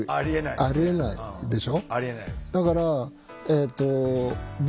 ありえないです。